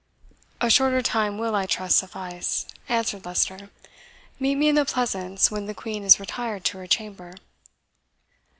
"A shorter time will, I trust, suffice," answered Leicester. "Meet me in the Pleasance when the Queen has retired to her chamber."